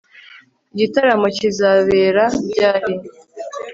Igitaramo kizabera ryari